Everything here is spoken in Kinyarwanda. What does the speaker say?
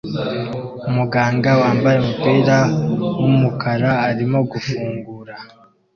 Umugabo wambaye umupira wumukara arimo gufungura